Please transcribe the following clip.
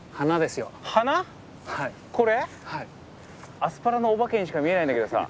アスパラのお化けにしか見えないんだけどさ